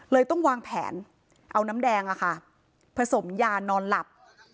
ต้องวางแผนเอาน้ำแดงผสมยานอนหลับ